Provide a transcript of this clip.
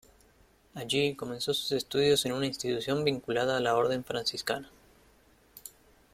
Allí comenzó sus estudios en una institución vinculada a la Orden Franciscana.